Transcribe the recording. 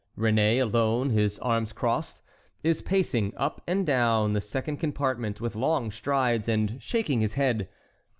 Réné, alone, his arms crossed, is pacing up and down the second compartment with long strides, and shaking his head.